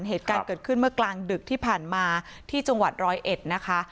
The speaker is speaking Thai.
เหตุการณ์เกิดขึ้นเมื่อกลางดึกที่ผ่านมาที่จังหวัดร้อยเอ็ดนะคะ